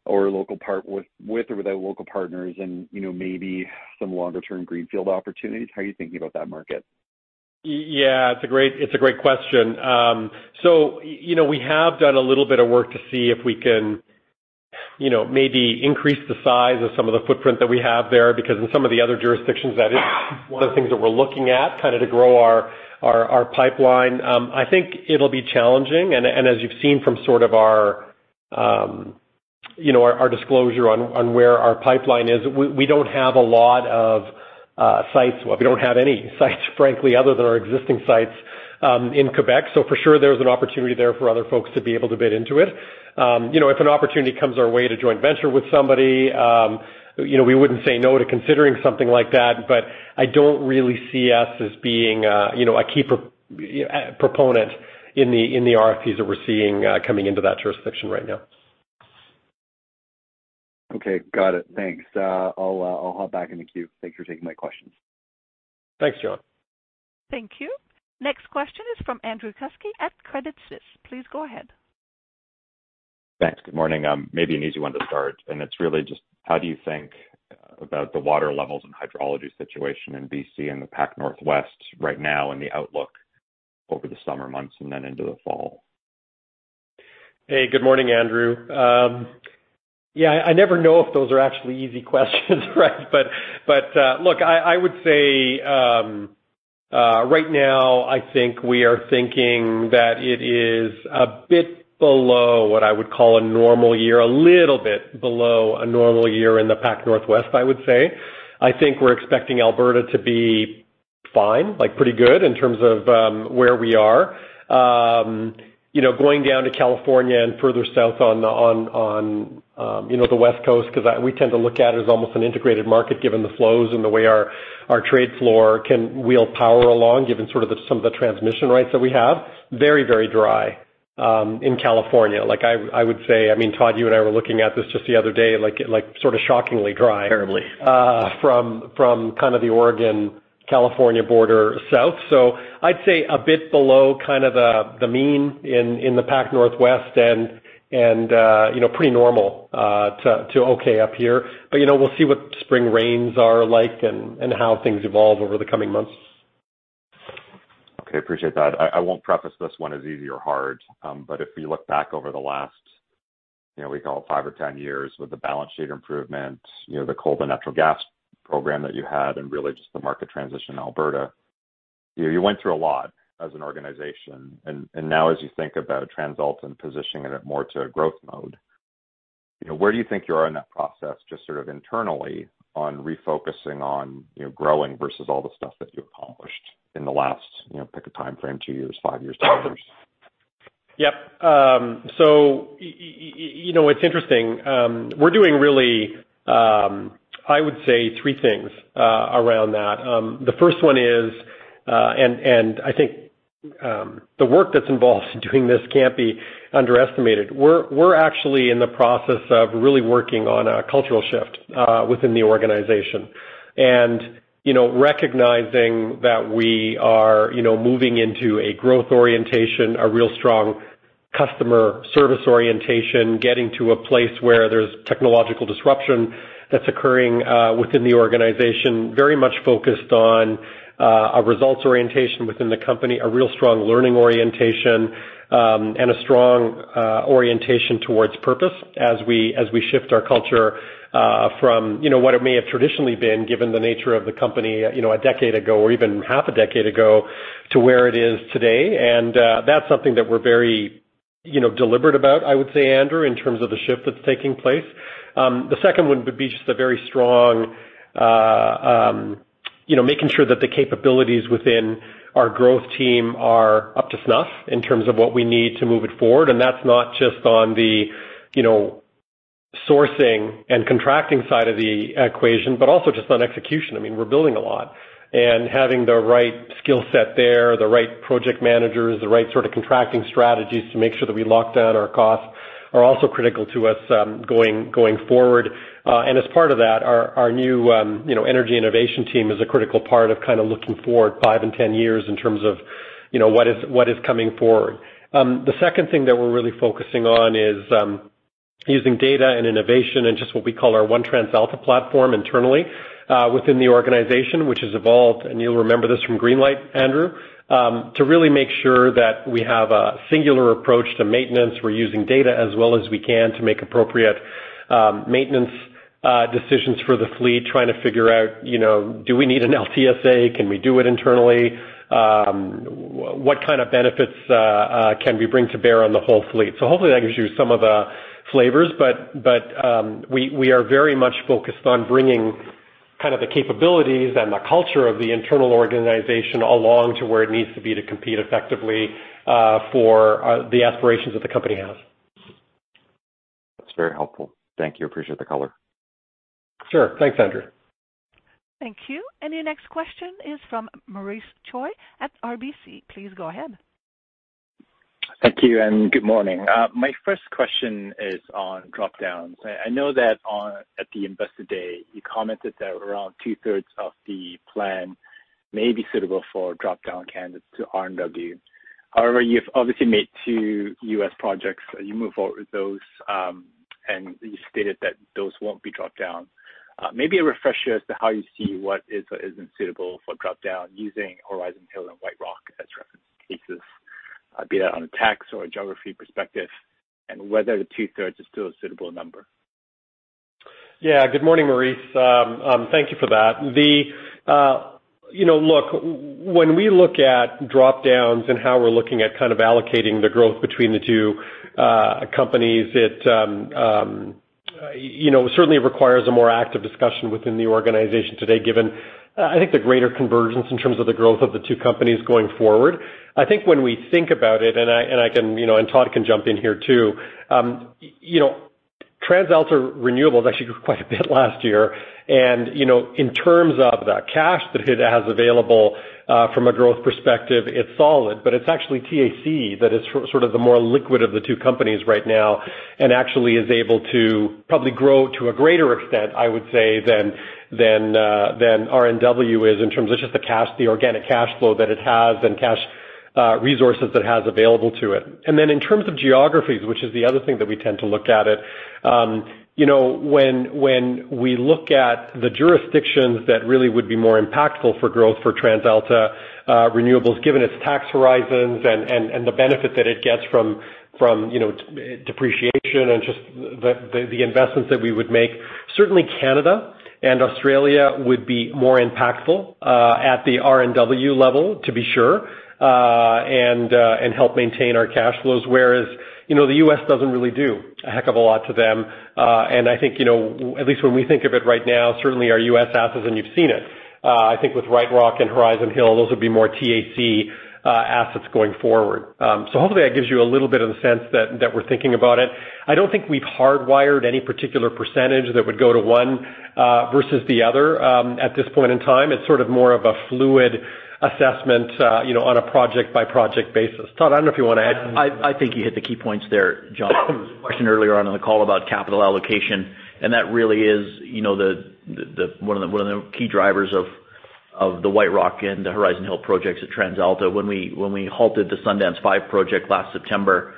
or local partnerships with or without local partners and, you know, maybe some longer-term greenfield opportunities? How are you thinking about that market?
Yeah, it's a great question. So, you know, we have done a little bit of work to see if we can, you know, maybe increase the size of some of the footprint that we have there, because in some of the other jurisdictions, that is one of the things that we're looking at kind of to grow our pipeline. I think it'll be challenging. As you've seen from sort of our, you know, our disclosure on where our pipeline is, we don't have a lot of sites. Well, we don't have any sites, frankly, other than our existing sites in Quebec. For sure there's an opportunity there for other folks to be able to bid into it. You know, if an opportunity comes our way to joint venture with somebody, you know, we wouldn't say no to considering something like that, but I don't really see us as being, you know, a key proponent in the RFPs that we're seeing, coming into that jurisdiction right now.
Okay. Got it. Thanks. I'll hop back in the queue. Thank you for taking my questions.
Thanks, John.
Thank you. Next question is from Andrew Kuske at Credit Suisse. Please go ahead.
Thanks. Good morning. Maybe an easy one to start, and it's really just how do you think about the water levels and hydrology situation in BC and the Pac Northwest right now and the outlook over the summer months and then into the fall?
Hey, good morning, Andrew. Yeah, I never know if those are actually easy questions, right? Look, I would say right now, I think we are thinking that it is a bit below what I would call a normal year, a little bit below a normal year in the Pac Northwest, I would say. I think we're expecting Alberta to be fine, like pretty good in terms of where we are. You know, going down to California and further south on the West Coast because we tend to look at it as almost an integrated market given the flows and the way our trading floor can wheel power along given some of the transmission rights that we have. Very, very dry in California. Like, I would say, I mean, Todd, you and I were looking at this just the other day, like sort of shockingly dry. Terribly. From kind of the Oregon. California border south. I'd say a bit below kind of the mean in the Pacific Northwest and you know pretty normal to okay up here. But you know we'll see what spring rains are like and how things evolve over the coming months.
Okay, appreciate that. I won't preface this one as easy or hard, but if we look back over the last, you know, we call it five or 10 years with the balance sheet improvement, you know, the coal to natural gas program that you had and really just the market transition in Alberta, you know, you went through a lot as an organization. Now as you think about TransAlta and positioning it more to a growth mode, you know, where do you think you are in that process, just sort of internally on refocusing on, you know, growing versus all the stuff that you accomplished in the last, you know, pick a timeframe, two years, five years, 10 years?
Yep. You know, it's interesting. We're doing really, I would say three things around that. The first one is, and I think the work that's involved in doing this can't be underestimated. We're actually in the process of really working on a cultural shift within the organization. Recognizing that we are, you know, moving into a growth orientation, a real strong customer service orientation, getting to a place where there's technological disruption that's occurring within the organization, very much focused on a results orientation within the company, a real strong learning orientation, and a strong orientation towards purpose as we shift our culture from, you know, what it may have traditionally been given the nature of the company, you know, a decade ago or even half a decade ago to where it is today. That's something that we're very, you know, deliberate about, I would say, Andrew, in terms of the shift that's taking place. The second one would be just a very strong, you know, making sure that the capabilities within our growth team are up to snuff in terms of what we need to move it forward. That's not just on the, you know, sourcing and contracting side of the equation, but also just on execution. I mean, we're building a lot. Having the right skill set there, the right project managers, the right sort of contracting strategies to make sure that we lock down our costs are also critical to us, going forward. As part of that, our new, you know, energy innovation team is a critical part of kind of looking forward five and 10 years in terms of, you know, what is, what is coming forward. The second thing that we're really focusing on is using data and innovation and just what we call our One TransAlta platform internally within the organization, which has evolved, and you'll remember this from Greenlight, Andrew, to really make sure that we have a singular approach to maintenance. We're using data as well as we can to make appropriate maintenance decisions for the fleet, trying to figure out, you know, do we need an LTSA? Can we do it internally? What kind of benefits can we bring to bear on the whole fleet? Hopefully, that gives you some of the flavors. We are very much focused on bringing kind of the capabilities and the culture of the internal organization along to where it needs to be to compete effectively for the aspirations that the company has.
That's very helpful. Thank you. Appreciate the color.
Sure. Thanks, Andrew.
Thank you. Your next question is from Maurice Choy at RBC. Please go ahead.
Thank you, and good morning. My first question is on drop-downs. I know that at the Investor Day, you commented that around two-thirds of the plan may be suitable for drop-down candidates to RNW. However, you've obviously made two U.S. projects, you moved forward with those, and you stated that those won't be dropped down. Maybe a refresher as to how you see what is or isn't suitable for drop-down using Horizon Hill and White Rock as reference cases, be it on a tax or a geography perspective, and whether the two-thirds is still a suitable number?
Yeah. Good morning, Maurice. Thank you for that. You know, look, when we look at drop-downs and how we're looking at kind of allocating the growth between the two companies, it you know certainly requires a more active discussion within the organization today, given I think the greater convergence in terms of the growth of the two companies going forward. I think when we think about it, and I can, you know, and Todd can jump in here too. You know, TransAlta Renewables actually grew quite a bit last year. You know, in terms of the cash that it has available from a growth perspective, it's solid, but it's actually TAC that is sort of the more liquid of the two companies right now, and actually is able to probably grow to a greater extent, I would say, than RNW is in terms of just the cash, the organic cash flow that it has and cash resources that it has available to it. In terms of geographies, which is the other thing that we tend to look at it, you know, when we look at the jurisdictions that really would be more impactful for growth for TransAlta Renewables, given its tax horizons and the benefit that it gets from, you know, depreciation and just the investments that we would make, certainly Canada and Australia would be more impactful at the RNW level, to be sure, and help maintain our cash flows. Whereas, you know, the US doesn't really do a heck of a lot to them. I think, you know, at least when we think of it right now, certainly our US assets, and you've seen it, I think with White Rock and Horizon Hill, those would be more TAC assets going forward. Hopefully that gives you a little bit of the sense that we're thinking about it. I don't think we've hardwired any particular percentage that would go to one, versus the other, at this point in time. It's sort of more of a fluid assessment, you know, on a project-by-project basis. Todd, I don't know if you wanna add anything.
I think you hit the key points there, John. There was a question earlier on in the call about capital allocation, and that really is one of the key drivers of the White Rock and the Horizon Hill projects at TransAlta. When we halted the Sundance five project last September,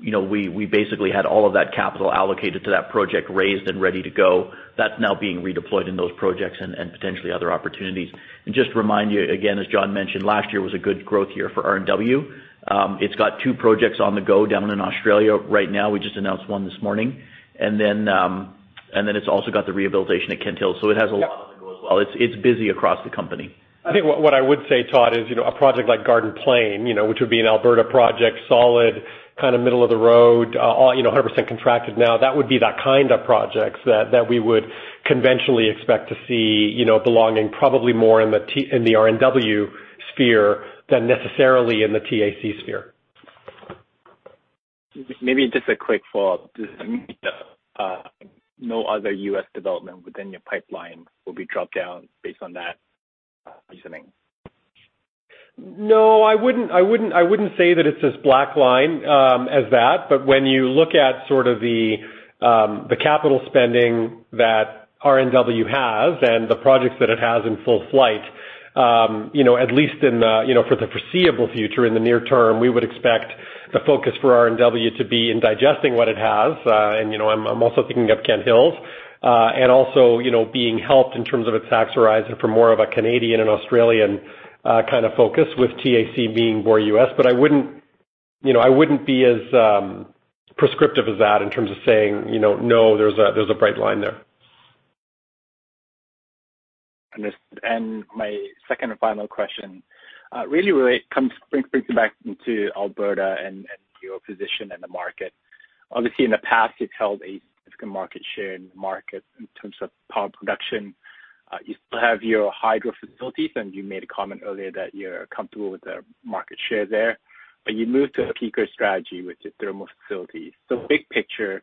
we basically had all of that capital allocated to that project raised and ready to go. That's now being redeployed in those projects and potentially other opportunities. Just to remind you again, as John mentioned, last year was a good growth year for RNW. It's got two projects on the go down in Australia right now. We just announced one this morning. Then it's also got the rehabilitation at Kent Hills. It has a lot on the go as well. It's busy across the company.
I think what I would say, Todd, is, you know, a project like Garden Plain, you know, which would be an Alberta project, solid, kind of middle of the road, you know, 100% contracted now. That would be that kind of projects that we would conventionally expect to see, you know, belonging probably more in the RNW sphere than necessarily in the TAC sphere.
Maybe just a quick follow-up. Does that mean that no other US development within your pipeline will be dropped down based on that reasoning?
No, I wouldn't say that it's as bright line as that. But when you look at sort of the capital spending that RNW has and the projects that it has in full flight, you know, at least in the, you know, for the foreseeable future, in the near term, we would expect the focus for RNW to be in digesting what it has. And, you know, I'm also thinking of Kent Hills. And also, you know, being helped in terms of its tax horizon for more of a Canadian and Australian kind of focus, with TAC being more U.S. But I wouldn't, you know, I wouldn't be as prescriptive as that in terms of saying, you know, "No, there's a bright line there.
Understood. My second and final question really brings it back into Alberta and your position in the market. Obviously, in the past, you've held a significant market share in the market in terms of power production. You still have your hydro facilities, and you made a comment earlier that you're comfortable with the market share there. You moved to a peaker strategy with your thermal facilities. Big picture,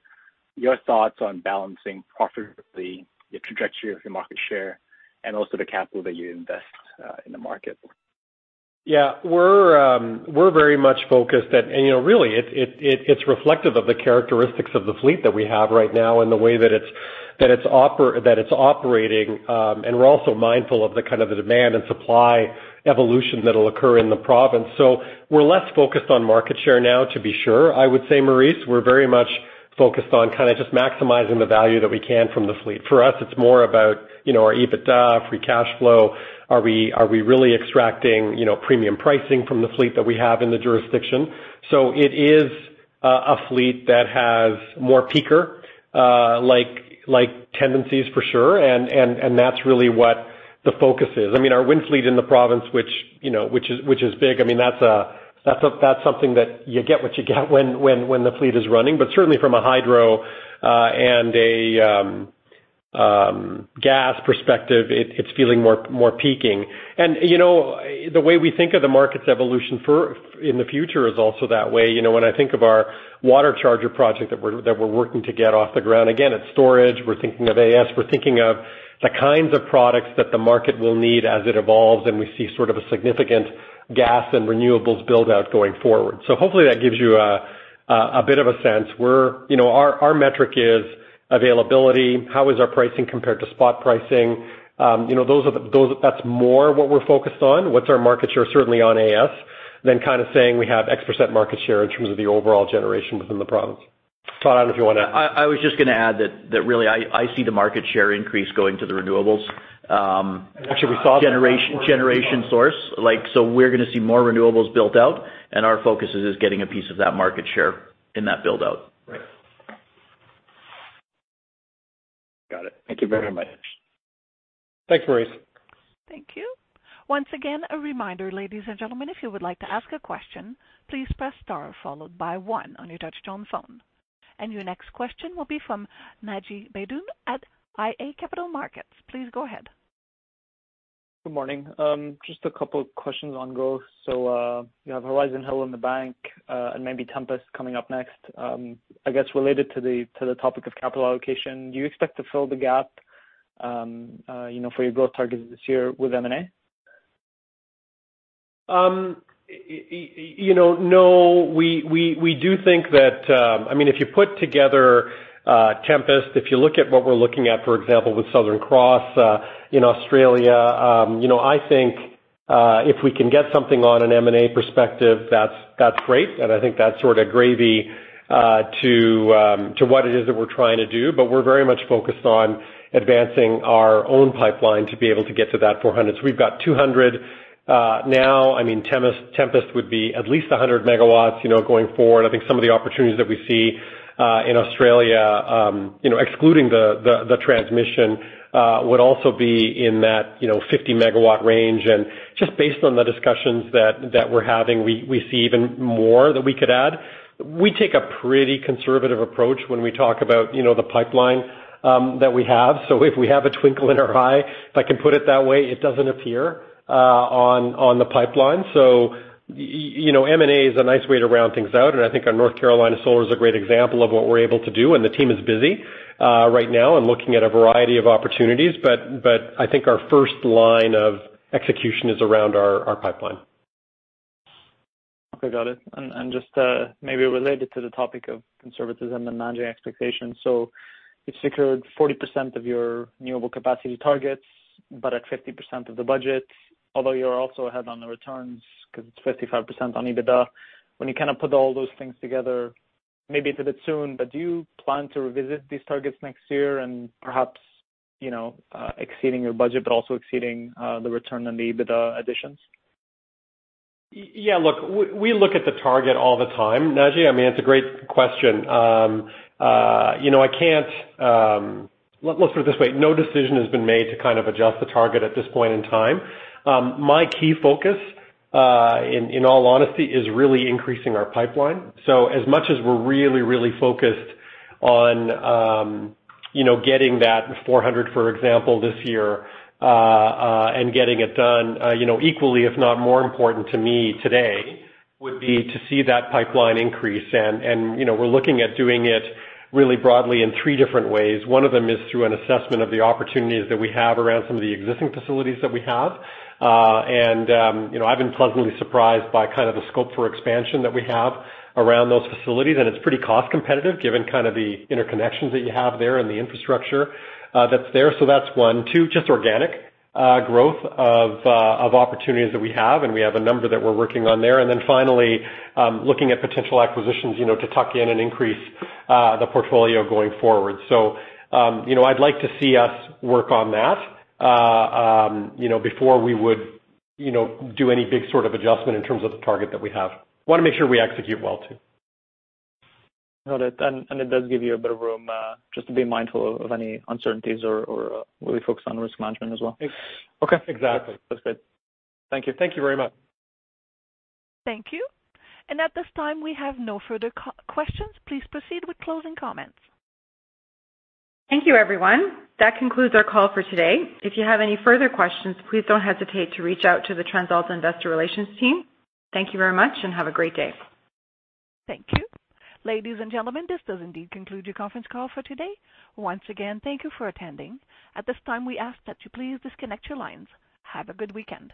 your thoughts on balancing profitably the trajectory of your market share and also the capital that you invest in the market.
Yeah. We're very much focused, and you know, really, it's reflective of the characteristics of the fleet that we have right now and the way that it's operating. We're also mindful of the kind of the demand and supply evolution that'll occur in the province. We're less focused on market share now, to be sure. I would say, Maurice, we're very much focused on kind of just maximizing the value that we can from the fleet. For us, it's more about, you know, our EBITDA, free cash flow. Are we really extracting, you know, premium pricing from the fleet that we have in the jurisdiction? It is a fleet that has more peaker like tendencies for sure, and that's really what the focus is. I mean, our wind fleet in the province, which, you know, which is big, I mean, that's something that you get what you get when the fleet is running. Certainly from a hydro and a gas perspective, it's feeling more peaking. You know, the way we think of the market's evolution in the future is also that way. You know, when I think of our WaterCharger project that we're working to get off the ground, again, it's storage. We're thinking of AS. We're thinking of the kinds of products that the market will need as it evolves, and we see sort of a significant gas and renewables build-out going forward. Hopefully that gives you a bit of a sense. You know, our metric is availability. How is our pricing compared to spot pricing? You know, those are what we're focused on, what's our market share certainly on AS, than kind of saying we have X% market share in terms of the overall generation within the province. Todd, if you wanna
I was just gonna add that really I see the market share increase going to the renewables.
Actually, we saw that.
Generation source. Like, we're gonna see more renewables built out, and our focus is just getting a piece of that market share in that build-out.
Right.
Got it. Thank you very much.
Thanks, Maurice.
Thank you. Once again, a reminder, ladies and gentlemen, if you would like to ask a question, please press star followed by one on your touchtone phone. Your next question will be from Naji Baydoun at iA Capital Markets. Please go ahead.
Good morning. Just a couple questions on growth. You have Horizon Hill in the bank, and maybe Tempest coming up next. I guess related to the topic of capital allocation, do you expect to fill the gap, you know, for your growth targets this year with M&A?
You know, no. We do think that. I mean, if you put together Tempest, if you look at what we're looking at, for example, with Southern Cross in Australia, you know, I think if we can get something on an M&A perspective, that's great, and I think that's sort of gravy to what it is that we're trying to do. We're very much focused on advancing our own pipeline to be able to get to that 400. We've got 200 now. I mean, Tempest would be at least 100 MW, you know, going forward. I think some of the opportunities that we see in Australia, you know, excluding the transmission, would also be in that 50-MW range. Just based on the discussions that we're having, we see even more that we could add. We take a pretty conservative approach when we talk about, you know, the pipeline that we have. If we have a twinkle in our eye, if I can put it that way, it doesn't appear on the pipeline. You know, M&A is a nice way to round things out, and I think our North Carolina Solar is a great example of what we're able to do. The team is busy right now and looking at a variety of opportunities. I think our first line of execution is around our pipeline.
Okay, got it. Just maybe related to the topic of conservatism and managing expectations. You've secured 40% of your renewable capacity targets but at 50% of the budget. Although you're also ahead on the returns 'cause it's 55% on EBITDA. When you kind of put all those things together, maybe it's a bit soon, but do you plan to revisit these targets next year and perhaps, you know, exceeding your budget but also exceeding the return on the EBITDA additions?
Yeah, look, we look at the target all the time, Naji. I mean, it's a great question. Let's put it this way, no decision has been made to kind of adjust the target at this point in time. My key focus, in all honesty, is really increasing our pipeline. As much as we're really, really focused on, you know, getting that 400, for example, this year, and getting it done, you know, equally, if not more important to me today would be to see that pipeline increase. You know, we're looking at doing it really broadly in three different ways. One of them is through an assessment of the opportunities that we have around some of the existing facilities that we have. You know, I've been pleasantly surprised by kind of the scope for expansion that we have around those facilities, and it's pretty cost competitive given kind of the interconnections that you have there and the infrastructure that's there. That's one. Two, just organic growth of opportunities that we have, and we have a number that we're working on there. Then finally, looking at potential acquisitions, you know, to tuck in and increase the portfolio going forward. You know, I'd like to see us work on that, you know, before we would, you know, do any big sort of adjustment in terms of the target that we have. Wanna make sure we execute well too.
Got it. It does give you a bit of room, just to be mindful of any uncertainties or, really focus on risk management as well.
Okay. Exactly.
That's good. Thank you.
Thank you very much.
Thank you. At this time, we have no further questions. Please proceed with closing comments.
Thank you, everyone. That concludes our call for today. If you have any further questions, please don't hesitate to reach out to the TransAlta investor relations team. Thank you very much, and have a great day.
Thank you. Ladies and gentlemen, this does indeed conclude your conference call for today. Once again, thank you for attending. At this time, we ask that you please disconnect your lines. Have a good weekend.